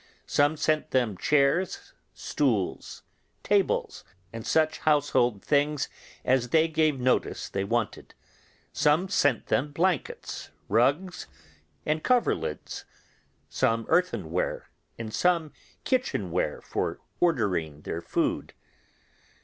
Some sent them chairs, stools, tables, and such household things as they gave notice they wanted; some sent them blankets, rugs, and coverlids, some earthenware, and some kitchen ware for ordering their food.